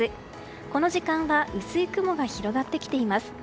この時間は薄い雲が広がってきています。